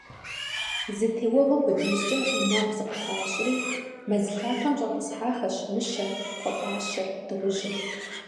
Зы теуэгъуэ хуэдизкӏэ гъунэгъу зыкъыхуащӏри, мэз лъапэм щетӏысэхащ мыщэр, кхъуэпӏащэр, дыгъужьыр.